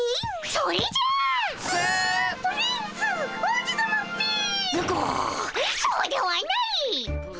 そうではないっ！